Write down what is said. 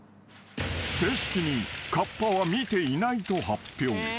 ［正式にカッパは見ていないと発表］